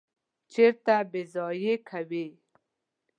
چیرته ییضایع کوی؟